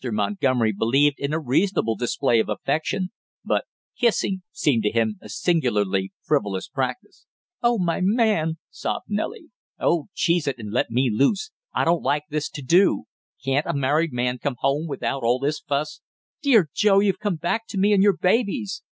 Montgomery believed in a reasonable display of affection, but kissing seemed to him a singularly frivolous practice. "Oh, my man!" sobbed Nellie. "Oh, cheese it, and let me loose I don't like this to do! Can't a married man come home without all this fuss?" "Dear Joe, you've come back to me and your babies!"